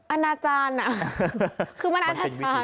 อันอาจารย์อ่ะคือมันอันอาจารย์อ่ะ